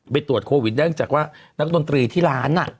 ไปตรวจโควิดได้จากว่านักดนตรีที่ร้านอ่ะ